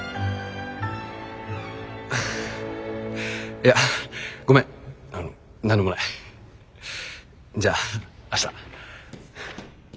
いやごめん何でもない。じゃあ明日。